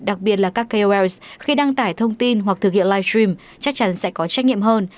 đặc biệt là các kols khi đăng tải thông tin hoặc thực hiện live stream chắc chắn sẽ có trách nhiệm hơn